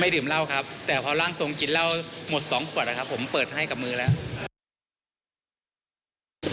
ดื่มเหล้าครับแต่พอร่างทรงกินเหล้าหมดสองขวดนะครับผมเปิดให้กับมือแล้ว